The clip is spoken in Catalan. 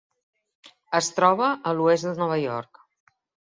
Es troba a l'Oest de Nova York.